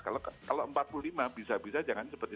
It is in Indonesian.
kalau empat puluh lima bisa bisa jangan seperti